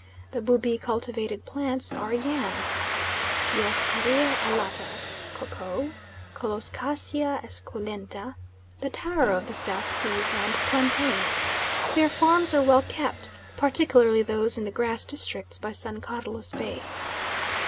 The Bubi cultivated plants are yams (Dioscorea alata), koko (Colocasia esculenta the taro of the South Seas,) and plantains. Their farms are well kept, particularly those in the grass districts by San Carlos Bay.